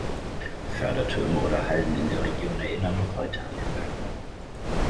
Fördertürme oder Halden in der Region erinnern noch heute an den Bergbau.